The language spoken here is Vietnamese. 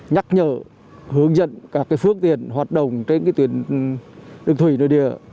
nhắc nhở hướng dẫn các phước tiền hoạt động trên tuyển đức thủy nơi địa